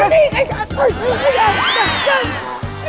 แต่พี่ชายฉันไม่พอใจที่ลูกสาวแปะ